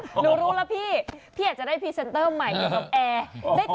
หนูรู้แล้วพี่พี่อยากจะได้พรีเซนเตอร์ใหม่อยู่กับแอร์